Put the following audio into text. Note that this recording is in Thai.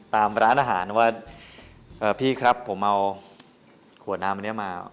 ตามร้านอาหารว่าพี่ครับผมเอาขวดน้ำอันนี้มา